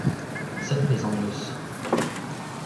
Sell 'pezh am eus.